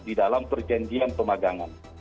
di dalam perjanjian pemagangan